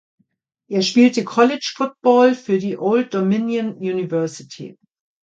Er spielte College Football für die Old Dominion University.